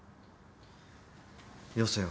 よせよ。